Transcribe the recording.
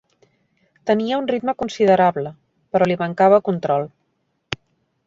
Tenia un ritme considerable, però li mancava control.